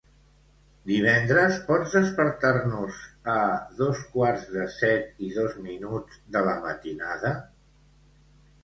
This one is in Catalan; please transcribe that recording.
Divendres pots despertar-nos a les sis i trenta-dos de la matinada?